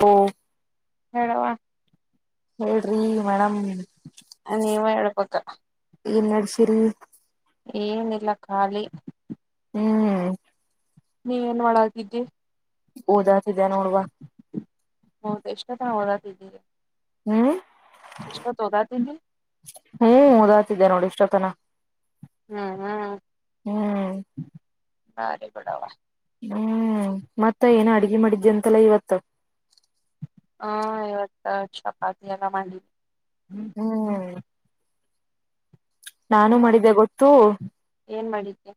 ಹಓ ಹೆಳವ ಹೇಳ್ರಿ ಮೇಡಮ ನೀವು ಹೇಳಬೇಕ ಏನ್ ನಡಸಿರ್ ಏನಿಲ್ಲ ಖಾಲಿ ಹ್ಮ್ ನೀವೇನ್ ಮಾಡಕಿದ್ದಿ ಓದಾತಿದ್ದ ನೋಡುವ ಓಡಾತಿದ್ದೀರಿ ಹ್ಮ್ ಓದಾತಿದ್ದಿ ಹ್ಮ್ ಉದಾತಿದ್ದೆ ನೋಡಿ ಇಷ್ಟೊತ್ತನ ಹ್ಮ್ ಹ್ಮ್ ಹ್ಮ್ ಸರಿ ಬೀಡವ ಹ್ಮ್ ಮತ್ತ ಏನು ಅಡ್ಗೆ ಮಾಡಿದ್ದೆ ಅಂತೆಲ್ಲ ಇವತ್ತು ಹಾ ಇವತ್ತು ಚಪಾತಿ ಎಲ್ಲ ಮಾಡಿ್ಮ ಹ್ಮ ಹ್ಮ್ ನಾನು ಮಾಡಿದ್ದೆ ಗೊತ್ತು ಏನ್ ಮಾಡಿಕೆ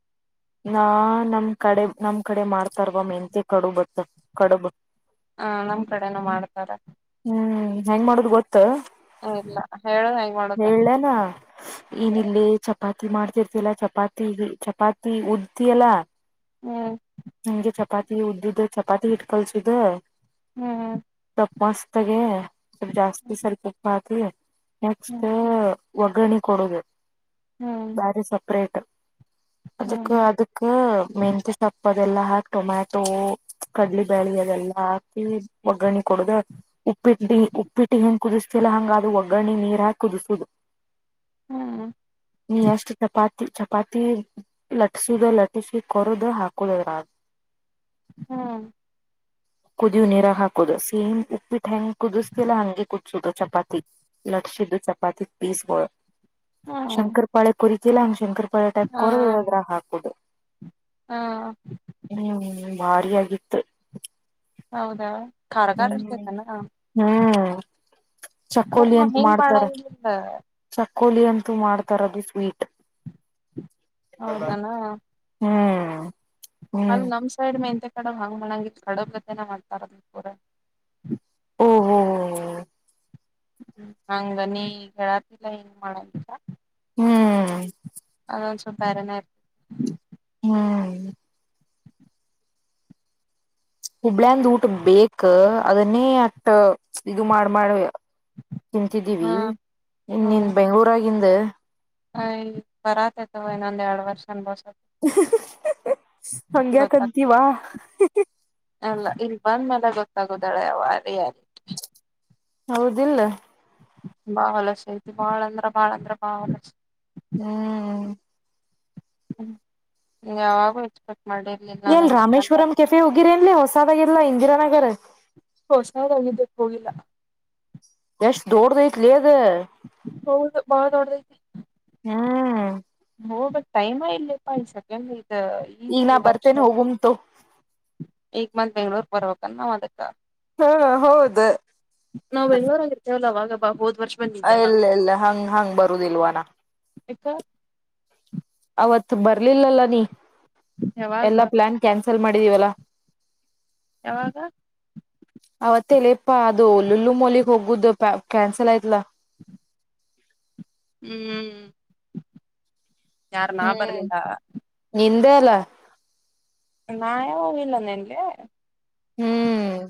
ನಾ ನಮ ಕಡೆ ನಮ್ ಕಡೆ ಮಾಡ್ತಾರವ ಮೆಹಂತೆ ಕಡುಬಟ್ಟ ಕಡುಬು ಹ ನಮ್ ಕಡೆನ ಮಾಡ್ತಾರ ಹ್ಮ್ ಹೆಂಗ್ ಮಾಡೋದು ಗೊ ಇಲ್ಲ ಹೇಳ ಹೆಂಗ್ ಮಾಡುದ ಹೇಳಲನಾ ಈನ್ಲ್ಲಿ ಚಪಾತಿ ಚಿ ಮಾಡ್ತಿರ್ತಿಲ್ಲ ಚಪಾತಿ ಚಪಾತಿ ಉಡ್ತಿಯಲ್ಲಾ ಹ್ಮ್ ನಿಮ್ಗೆ ಚಪಾತಿ ಉದ್ದಿದ್ದ ಚಪಾತಿ ಇಟ್ ಕಲ್ಸುದ ಹ್ಮ್ ಮಸ್ತ್ಗೆ ಸ್ಲ್ ಜಾಸ್ತಿ ಹ್ಮ್ ಸ್ವಲ್ಪ ಉಪಾತಿ ನೆಕ್ಸ್ಟ್ ಹ್ಮ್ ಒಗ್ಗಣಿ ಕೊಡುದು ಬ್ಯಾರಿ ಸಪ್ರೇಟ್ ಅದಕ್ಕ ಹ್ಮ್ ಅದಕ್ಕ ಮೆಂತೆ ಸೊಪ್ಪು ಅದೆಲ್ಲಾ ಹಾಕಿ ಟೊಮ್ಯಾಟೊ ಕಡ್ಲಿ ಬಾೇಳಿ ಅದೆಲ್ಲಾ ಹಾಕಿ ಒಗ್ಗರಣೆ ಕೊಡ್ದ ಉಪ್ಪಿಟ್ಟಿ ಉಪ್ಪಿಟ್ಟಿ ಹೆಂಗ ಕುದಿಸ್ತಿಲ್ಲ ಹಂಗ ಅದು ಒಗ್ಗರ್ರಣೆ ನೀರ್ ಹಾಕ ಕುದಸುದು ಹ್ಮ್ ನೀ ಅಷ್ಟ ಚಪ್ಪತಿ ಚಪಾತಿ ಲಟ್ಟಸುದ ಲಟ್ಟಿಸಿ ಕೊರದು ಹಾಕುದದ್ರ ಹ್ಮ್ ಕುದಿಯು ನೀರಾಗ ಹಾಕೋದು ಸೇಮ್ ಉಪ್ಪಬಿಟ್ಟು ಹೆಯಾಂ ಕುದಿಸತಿಲ್ಲ ಹಂಗೆ ಕುದಸೋುದು ಚಪಾತಿ ಲಟ್ಸ ಚಪಾತಿ ಪೀಸ್ ಬ ಹ್ಮ್ ಶಂಕರ್ ಪಾಳೆ ಕುರಿತಿಲ್ಲ ಹಂಗ ಶಂಕರ್ ಪಾಳೆ ಟ ಹಾ ಕೊರದದ್ರ ಹಾಕುದು ಹಾ ಹ್ಮ್ ಭಾರಿ ಆಗಿತ್ತು ಹೌದಾ ಖಾರ ಖಾರ ಹ್ಮ್ ಇರ್ತೇತನ ಹ್ಮ್ ಅಂದ್ರ ಚಕ್ಕೋಲಿ ನಾವ್ ಅಂತ ಹೆಂಗ್ ಮಾಡ್ತಾರೆ ಮಾಡಂಗಿಲ್ಲ ಚ ಕೋಲಿ ಅಂತೂ ಮಾಡ್ತಾರೋದು ಸ್ವೀಟ್ ಹೌದನಾ ಹ್ಮ್ ಹ್ಮ್ ಅಲ್ ನಮ್ ಸೈಡ್ ಮ್ಯಾಂತ್ಯ ಕಡ ಹಂಗ ಮಾಡಳಂಗಿದ್ ಕಡ ಬತನ ಮಾಡ್ತಾರದ್ ಪೂರ ಓ ಹೋ ಹ ಹ್ಮ ಹಂಗ ನೀ ಹೇಳತಿಲ್ಲ ಹೆಂಗ್ ಮಾಡಲ ಹ್ಮ್ ಅನ್ ಸಪಾರನ ಹ್ಮ ಹುಬ್ಳ್ಯಂದ್ ಊಟ ಬೇಕ ಅದನ್ನೇ ಅಷ್ಟ ಇದು ಮಾಡ ಮಾಡ ಹಾ ತಿಂತಿದ್ದೀವಿ ಇನ್ನನ್ ಬೆಂಗ್ಳೂರಾಗಿದ ಹ್ ಬರಾತತವ ಇನ್ನೊಂದ್ ಎರಡ್ ವರ್ಷ ಅನ್ಬೋ ಗೊತ್ತಾಗ ಹಂಗ್ಯಾಕಂತೀವಾ ಅಲ್ಲ ಇಲ್ ಬಂದ್ ಮೇಲೆ ಗೊತ್ತಾಗೋದಾಳೆ ಅವ ರಾರಿ ಹೌದಿಲ್ಲ ಬಾಲಸ ಐತಿ ಬಾಳ ಅಂದ್ರ ಬಾಳ ಅಂದ್ರ ಬಾ ಅಲಸ ಹ್ಮ್ ಹ್ಮ್ ಯಾವಾಗಾ ಎಲ್ ರಾಮೇಶ್ವರಂ ಕೆಫೆ ಹೋಗಿರಿ ಅನ್ಲಿ ಹೊಸದಾಗಿಲ್ಲ ಇಂದಿರಾನಗರ್ ಹೊಸದಾಗಿದ್ದಕ್ಕೆ ಹೋಗಿಲ್ಲ ಎಷ್ಟ್ ದೊಡ್ದ ಐತ್ಲಿ ಅದ ಹೌದು ಬಾಳ ದೊಡ್ಡದಾಯಿತು ಹ್ಮ್ ಹೋಗ್ ಬಟ್ ಟೈಮ ಇಲ್ಲೇಪ್ಪಾ ಈ ಸಕ್ಯ ಈಗ ನಾ ಬರ್ತೇನೆ ಹೋಗುಮಂತು ಈಗ ಬಂದ್ ಬೆಂಗ್ಳೂರ್ ಬರ್ವಕ ನಾವ್ ಅದಕ್ಕ ಹಾ ಹೌದು ನಾವು ಬೆಂಗ್ಳೂರ್ಂಗ ಇರ್ತೇವಲ್ಲ ಅವಾಗ ಬಾ ಹೋದ್ ವರ್ಷ ಬಂದಿದ್ಯಲ್ಲ ಹಂಗ ಇಲ್ಲ ಇಲ್ಲ ಹಂಗ ಹಂಗ್ ಬರುದಿಲ್ವಾನ ಏಕ ಅವತ್ ಬರ್ಲಿಲ್ಲಲ್ಲ ನೀ ಯಾವಾಗ ಎಲ್ಲಾ ಪ್ಲಾನ್ ಕ್ಯಾನ್ಸಲ್ ಮಾಡಿದೀವಲ್ಲಾ ಯಾವಾಗ ಅವತ್ತಲೆ ಪ್ಪಾ ಅದು ಒಲ್ಲುಲ್ಲು ಮಲಗ್ ಹೋಗುದು ಪ ಕ್ಯಾನ್ಸಲ್ ಆಯ್ತ್ಲ ಹ್ಮ್ ಯಾರ ನಾ ಹ್ಮ್ ಬರ್ಲಿಲ್ಲ ನಿಂದೆ ಅಲ್ಲ ನಯಾ ಹೋಗಿಲ್ಲಂದಲ್ಲ ಹ್ಮ್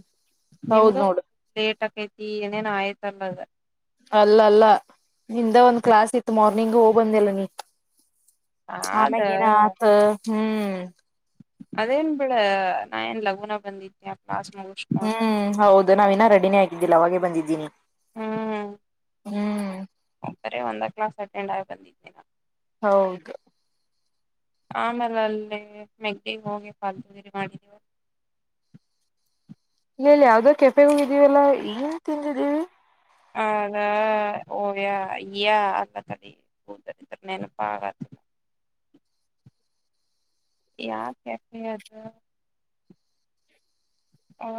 ಹೌದ್ ನಿಮ್ಗ ನೋಡು ಲೇಟ್ ಆಕೈತಿ ಏನೇನ್ ಆಯ್ತಲ್ಲದ ಅಲ್ಲ ಅಲ್ಲ ನಿಂದ ಒಂದ್ ಕ್ಲಾಸ್ ಇತ್ತು ಮಾರ್ನಿಂಗ್ ಹೋಗ್ಬಂದಲ್ಲ ನೀ ಆದ ಆಮ್ಯಾಗ ನ ಆತ ಹ್ಮ್ ಅದೇನ್ ಬಿಡ ನಾ ಏನ್ ಲಗುನ ಬಂದಿದ್ದೇಸ್ ಹ್ಮ್ ಹೌದು ನಾವ್ ಇನ್ನ ರೆಡಿನೇ ಆಗಿದ್ದಿಲ್ಲ ಅವಾಗೆ ಬಂದಿದ್ದೀನಿ ಹ್ಮ್ ಹ್ಮ್ ಒಬರ ಒಂದ ಕ್ಲಾಸ್ ಅಟೆಂಡ್ ಆಗಿ ಬಂದಿದ್ದೆ ನ ಹೌದು ಆಮೇಲೆ ಅಲ್ಲಿ ಮೆಗ್ಗೆಗೆ ಹೋಗಿ ಫಾಲ್ ತಂದರಿ ಮಾಡಿದ್ದೀವ [inaudible] ಇಲ್ಲ ಇಲ್ಲಿ ಯಾವವುದೋ ಕೆಫೆಗ ಹೋಗಿದ್ದೀವಲ್ಲಾ ಏನ್ ತಿಂದಿದ್ದೀವಿ ಹದ ಓಯಾ ಯಾ ಅಲ್ಲ ತಳ ಕೂತರಿ ತ ನೆನಪ ಆಗ [inaudible] ಯಾಕ ಯೆ ಅದು ಹಾ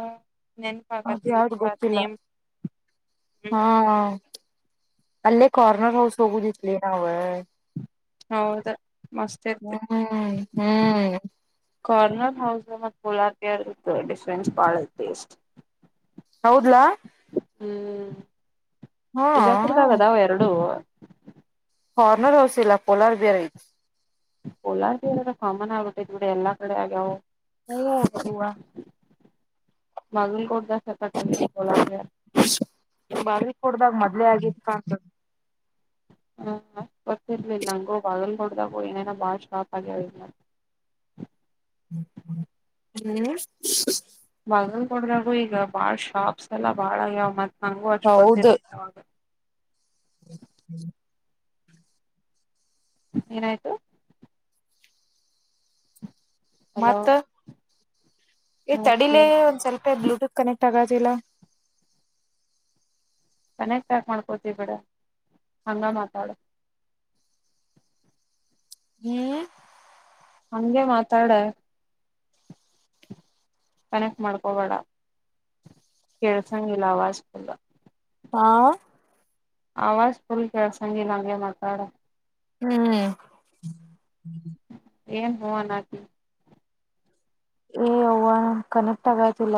ಅದ ಯಾವ್ದ ಗೊತ್ತಿಲ್ಲ ಹ್ಮ್ ಹಾ ಅಲ್ಲೇ ಕರ್ನರ್ ಹೌಸ್ ಹೋಗು ದಲಿ ನಾವ ಹೌದ ಮಸ್ತ್ ಹ್ಮ ಇರ್ತಿ ಹ್ಮ್ ಕಾರ್ನರ್ ಹೌಸ್ ಮ ಪೋಲಾಟಿಯರ್ ಇ ಡಿಫೆನ್ಸ್ ಬಾಳಸ್ ಹೌದ್ಲಾ ಹ್ಮ್ ಹಾ ಬಿಜಾಪುರದಾಗ ಅದಾವ ಎರಡು ಹಾರ್ನರ್ ಹೌಸ್ ಇಲ್ಲ ಪೋಲಾರ್ ಬೇರೆ ಐತ ಕೋಲಾರದ ಎ ಕಾಮನ್ ಆಗ್ಬಿಟ್ಟೆ ಇದ್ ಬಿಡಿ ಎಲ್ಲಾ ಕಡೆ ಆಗ್ಯವು [unintelligible] ಬಜನ್ ಕೊಡ್ದ [unintelligible] ಹ್ಮ ಗೊತ್ತಿರ್ಲಿಲ್ಲ ನಂಗು ಬಾಗಲ್ ನೋಡ್ದಾಗು ಏನೇನೋ ಬಾಳ ಶಾಪ್ ಆಗ್ಯ ಹ್ಮ್ ತಗಲ್ ಕೊಡ್ರಾಗು ಈಗ ಬಾಳ್ ಶಾಪ್ಸ್ ಎಲ್ಲ ಬಾಳ ಯಾವ್ ಮತ್ ನಂಗೂ ಹೌದು ಅಚ್ಕೊತಿರ್ಲಿಲ್ಲ ಅವವಾಗ ಹ್ಮ ಏನಾಯ್ತು ಹಲೋ ಮತ್ತ ಈ ತಡಿಲೇ ಮತ್ತೇನ್ ಒಂದ್ ಸ್ವಲ್ಪ ಬ್ಲೂಟೂತ್ ಕನೆಕ್ಟ್ ತಗದಿಲ್ಲ ಕನೆಕ್ಟ್ ಆಕ್ ಮಾಡ್ಕೋತೀ ಬಿಡ ಹಂಗ ಮಾತಾಡು ಹ್ಮ್ ಹಂಗೆ ಮಾತಾಡ ಕನೆಕ್ಟ್ ಮಾಡ್ಕೊಬೇಡ ಕೇಳ್ಸಂಗಲ್ಲ ಅವಾಜ್ಲ್ಲ ಹಾ ಆವಾಜ ಪೂರ್ ಕೆಳಸಾಗಿ ನಂಗೆ ಮಾತಾಡ ಹ್ಮ್ ಏನ್ ಹವಾ ನಕ ಏ ಅವ್ವ ನ ಕನೆಕ್ಟ್ ಆಗೈತಿಲ್ಲ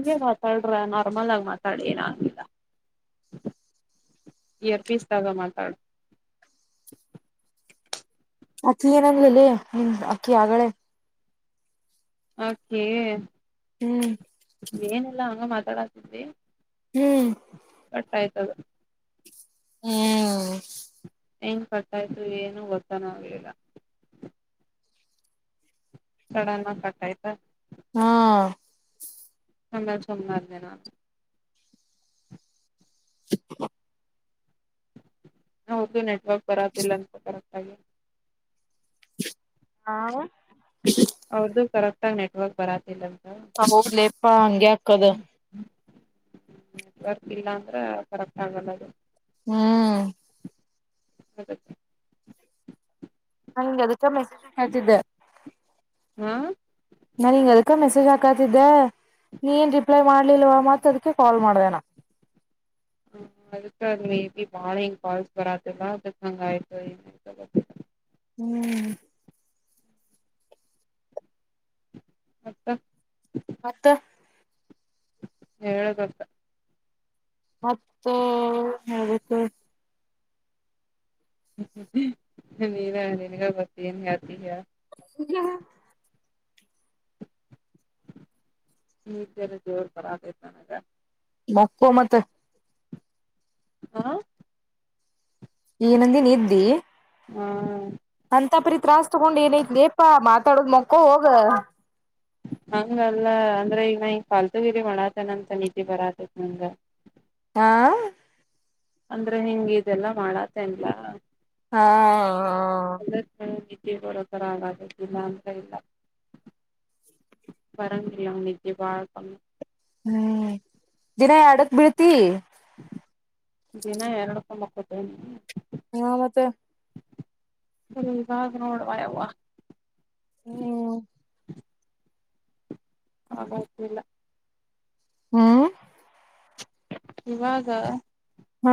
ಹಗೆ ಮಾತಾಡ್ರ ನಾರ್ಮಲ್ ಆಗಿ ಮಾತಾಡಿ ಏನ ಆಂಗಿಲ್ಲ ಇಯರ್ ಪೀಸ್ ದಾಗ ಮಾತಾಡು ಅಕ್ಕಿ ಏನಂಗ್ಲಿಲ್ಲ ನಿಮ ಅಕ್ಕಿ ಆಗಳೇ ಅಕೆ ಹ್ಮ್ ಏನೆಲ್ಲಾ ಹಂಗ ಮಾತಾಡಾತಿದ್ವಿ ಹ್ಮ್ ಕಟ್ಟ ಆಯ್ತದ ಹ್ಮ್ ಹೆಏಂಗ್ ಕಟ್ಟಾಯ್ತು ಏನು ಗೊತ್ತಾನಗ್ಲಿಲ್ಲ ಸಡನ್ ಕಟ್ ಆಯ್ತಾ ಹ್ಮ ಆಮೇಲ್ ಸುಮ್ನಾದ್ನೇನೋ ಹ [unintelligible] ಹೌದು ನೆಟ್ವರ್ಕ್ ಬರೋದಿಲ್ಲ ಅಂತ ಕರೆಕ್ಟ ಆಗಿ ಹಾ ಅವ್ರದು ಕರೆಕ್ಟ ಆಗ ನೆಟ್ವರ್ಕ್ ಬರಾತಿಲ್ಲ ಹೌಲ್ಲೇಪ್ಪಾ ಹಗೆಕ್ಕದ ನೆಟ್ ವರ್ಕ್ ಇಲ್ಲ ಅಂದ್ರೆ ಕರೆಕ್ಟ್ ಆಗಲ್ಲ ಅದು ಹ್ಮ್ ಹೌದ [inaudible] ನಾನ ಹಿಂಗ ಅದಕ್ಕ ಮೆಸೇಜ್ ಹೇಳ್ತಿದ್ದೆ ಹಾ ನಾನಿಗ ಅದಕ್ಕ ಮೆಸೇಜ್ ಮೆಸೇಜ್ ಹಾಕತಿದ್ದೆ ನೀನ್ ರಿಪ್ಲೈ ಮಾಡ್ಲಿಲ್ವ ಮ ಅದಕ್ಕೆ ಕಾಲ್ ಮಾಡ್ದಣ [inaudible] ಹ ಅದಕ್ಕ ಮೇ ಬಿ ಬಾಳ ಹೆಿಂಗ್ ಕಾಲ್ಸ್ ಬರತ್ತಿಲ್ಲ ಅದಕ್ ಹಂಗ ಆಯ್ತು ಏ್ತ ಗೊತ್ತ ಹ್ಮ್ ಹತ್ತ ಮತ್ತೆ ಹೇಳ್ಬೇಕು ಮತೋ ಹೇಳ್ಬೇಕು ನೀನ ನೀನಗ ಬತಿಯಏನು ಗತಿಯ [inaudible] [inaudible] ಈತ ಜೋರ್ ಕರತತನ [inaudible] ಅಕ್ಕೋ ಮತ್ತೆ ಹ ಇನೊಂದಿನ ನೀದ್ದಿ ಹ್ಮ ಅಂತ ಪರಿ ತ್ರಾಸ್ ತಗೊಂಡ್ ಏನೈತ್ಲಿಪಾ ಮಾತಾಡೋದ್ ಮಕ್ಕೋ ಹೋಗು [unintelligible] ಹಂಗಲ್ಲ ಅಂದ್ರೆ ಈಗ ನ ಈಗ ಾಲ್ತಗಿರಿ ಮಳಾತನಂತ ನಿತಿ ಬರತತ್ ನಂಗ ಹಾ ಅಂದ್ರೆ ಹಿಂಗ ಇದೆಲ್ಲಾ ಮಾಡತನ್ಲ್ಲ ಹಾ ಹಾ ಈ ಬರೋ ತರ ಆಗಾದದಲ್ಲ ಅಂತ ಇಲ್ಲ ಬರಂಗಿಲ್ಲಂ ನಿದ್ದೆ ಬಳಕಮ್ಮಿ ಹ್ಮ್ ದಿನ ಎಡಕ್ ಬೀಳ್ತಿ ದಿನ ಎರಡುಕ್ಕ ಮಪ್ಪತ್ತ ಹಾ ಮತ್ತೆ ಇವಾಗ ನೋಡ್ ಯವ್ವ ಹ್ಮ್ ಹ್ತಿಲ್ಲ [inaudible] ಹ್ಮ್ ಇವಾಗ ಹಾ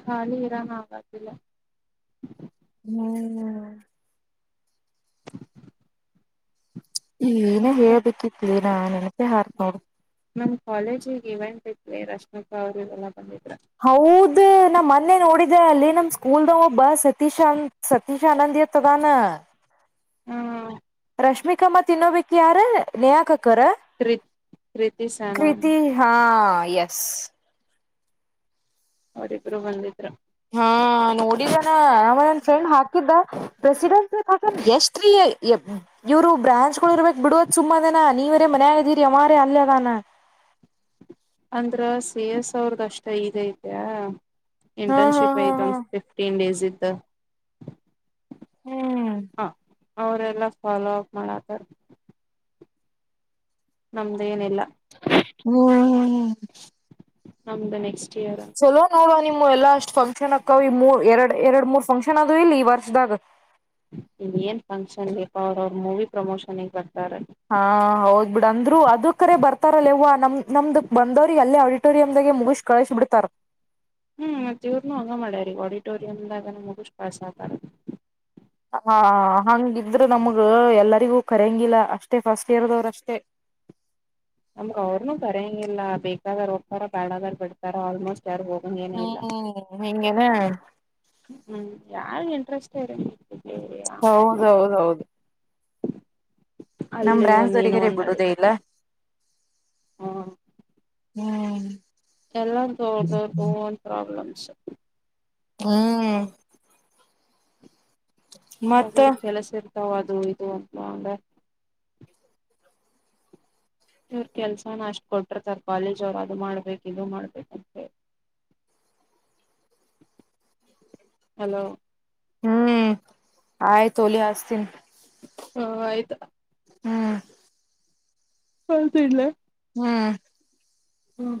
ಖಾಲಿ ಇರನ್ ಆಗಾದಲ್ಲ ಹ್ಮ್ [inaudible] ಈನ ಮತ್ತ ಹೇಳ್ಬೇಕಿತ್ಲಿನಾ ನೆನಪೇ ಹಾಗ್ತಾಇಲ್ಲ ನಮ ಕಾಲೇಜಿಗೆ ಇವೆಂಟ್ ಇವಿ ರಶ್ಮಿಕಾ ಅವರು ಇವೆಲ್ಲ ಬಂದಿದ್ರು ಹೌದೆ ನಮ್ ಮೊನ್ನೆ ನೋಡಿದ ಅಲ್ಲಿ ನಮ್ ಸ್ಕೂಲ್ದ ಒಬ್ಬ ಸತೀಶ್ ಅ ಸತೀಶ್ನಂದ್ ಅದಾನ ಹ್ಮ್ ರಶ್ಮಿಕ ಮತ್ತು ಇನ್ನೋಬೇಕಿ ಯಾರ ನೇಹಾಕಕ್ಕರ ರಿ ಕೃತಿ ಹಾ ಎಸ್ ಅವರಿಬ್ರು ಬಂದಿದ್ರು ಹಾ ನೋಡಿದಾನ ಆವ ಫ್ರೆಂಡ್ ಹಾಕಿದ್ದ ಪ್ರೆಸಿಡೆನ್ಸಿ ಹಾಕಂದ್ ಎಷ್ಟ ರೀ ಇವ್ರು ಬ್ರಾಂಚ್ ಗಳು ಇರ್ಬೇಕಕ್ ಬಿಡುವದ್ ಸುಮ್ಮದನ ನೀವರೇ ಮನ್ಯಾಗದೀರಿ ಅವ ಅರೆ ಅಲ್ಲ ಅದಾನ [unintelligible] ಅಂದ್ರ ಸೇ ಎ ಸ ಅವ್ರದ ಅಷ್ಟ ಇದ ಐತ ಹಾ ಹಾ ಇಂಟರ್ನ್ಶಿಪ್ ಹಾ ಐತ್ ಹಾ ಒಂದ್ ಫಿಫ್ಟೀನ್ ಡೇಸ್ ಇದ್ದ ಹ್ಮ್ ಅವರೆಲ್ಲ ಫಾಲೋ ಅಪ್ ಮಾಡತ್ತಾರೆ ನಮ್ದೇಏನೆಲ್ಲ ಹ್ಮ್ಮ್ಮ ನಮ್ದನೆ ಚಲೋ ನೋಡ ಆವಾ ನಿಮ್ಮ ಎಲ್ಲಾ ಅಷ್ಟ್ ಫಂಕ್ಷನ್ ಅಕ್ಕ ಈ ಮೂ ಎರಡ್ ಎರಡ್ ಮೂರ್ ಫಂಕ್ಷನ್ ಅದು ಇಲ್ಲಿ ಈ ವರ್ಷದಾಗ ಇನ್ ಏನ್ ಫಂಕ್ಷನ್ ಅವ್ರ ಅವ್ರ ಮೂವಿ ಪ್ರಮೋಷನ್ಗೆ ಬರ್ತಾರೆ ಹಾ ಹೌದ್ ಬಿಡ್ ಅಂದ್ರು ಅದ ಕರೆ ಬರ್ತಾರಲ್ಲವ್ವು ನಮ್ ನಮ್ದು ಬಂದವ್ರಿಗೆ ಅಲ್ಲೇ ಆಡಿಟೋರಿಯ್ಗ ಮುಗಿಸ ಕಳಿಸಿ ಬಿಡ್ತಾರ ಹ್ಮ್ ಇವ್ನು ಹಂಗ ಮಾಡ್ಯಾರೀ ಆಡಿಟೋರಿಯಮಾಗನ ಮುಗಿಸ್ ಕಾಸ್ ಆಗಾರ ಹಾ ಹಂಗಿದ್ರ ನಮಗ ಎಲ್ಲರಿಗೂ ಕರಂಗಿಲ್ಲ ಅಷ್ಟೇ ಫಸ್ಟ್ ಇಯರ್ದವ್ರಷ್ಟೇ ನಮ್ಗ ಅವ್ರನುೂ ಬರಂಗಿಲ್ಲ ಬೇಕಾದ ಹೋಗ್ತಾರ ಬ್ಯಾಡಾದರ್ ಬಿಡ್ತಾರ ಆಲ್ಮೋಸ್ಟ್ ಯಾರ ಹೋಗಂಗ ಏನ ಇಲ್ಲ ಹ್ಮ್ ಹಿಂಗೇನೆ ಹ್ಮ್ ಯಾವ ಇಂಟ್ರೆಸ್ಟ್ ರ ಹೌದೌದೌದು ನಮ ಅಲ್ಲಿ ಬ್ರಾಂಚ ಒಂದ ದವಗರೇ ಬಿಡುದೇ ಇಲ್ಲ ಹ್ಮ ಹ್ಮ್ ಎಲ್ಲಾರ ದು ಅವರದು ಅವ್ರದು ಓನ್ ಪ್ರಾಬ್ಲಮ್ಸ ಹ್ಮ್ ಮತ್ತ ಮಗಳು ಕೆಲಸ ಇರ್ತಾವ ಅದು ಇದು ಅಂತ ಅ ಇವ್ರ ಕೆಲ್ಸನ ಅಷ್ಟು ಕೊಟ್ಟಿರ್ತರ ಕಾಲೇಜಒಳಗ ಅವ್ರ ಅದು ಮಾಡ್ಬೇಕು ಇದು ಮಾಡ್ಬೇಕಂತ ಹಲೋ ಹ್ಮ್ ಆಯ ತ ಒಲಿ ಹಸ್ತಿ ಹಾ ಆಯ್ತಾ ಹ್ಮ್ ಆಯಿತ ಇಡ್ಲ್ಲ ಹ್ಮ ಹ್ಮ್